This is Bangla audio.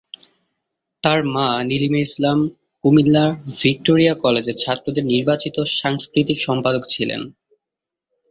তার মা নীলিমা ইসলাম কুমিল্লা ভিক্টোরিয়া কলেজে ছাত্রদের নির্বাচিত সাংস্কৃতিক সম্পাদক ছিলেন।